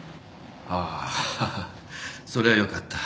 ああハハそれはよかった。